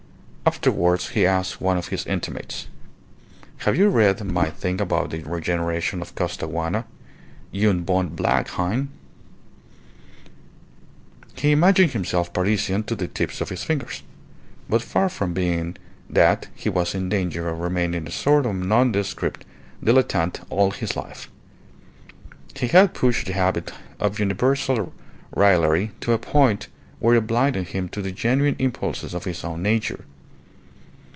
Afterwards he asked one of his intimates "Have you read my thing about the regeneration of Costaguana une bonne blague, hein?" He imagined himself Parisian to the tips of his fingers. But far from being that he was in danger of remaining a sort of nondescript dilettante all his life. He had pushed the habit of universal raillery to a point where it blinded him to the genuine impulses of his own nature.